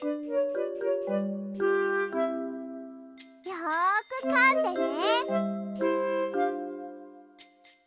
よくかんでね！